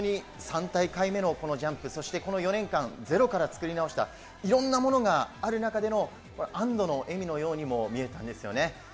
３大会目のジャンプ、そしてこの４年間、ゼロから作り直した、いろんなものがある中での安堵の笑みのようにも見えたんですよね。